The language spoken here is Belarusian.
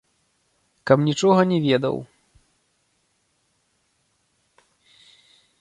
Каб нічога не ведаў.